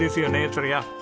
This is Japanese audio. そりゃ。